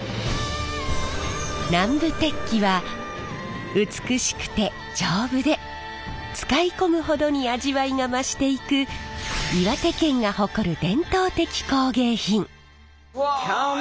南部鉄器は美しくて丈夫で使い込むほどに味わいが増していく岩手県が誇るうわええやん！